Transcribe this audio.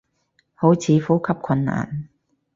好似呼吸困難